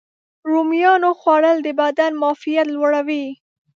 رومیانو خوړل د بدن معافیت لوړوي.